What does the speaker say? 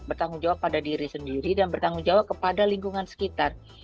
bertanggung jawab pada diri sendiri dan bertanggung jawab kepada lingkungan sekitar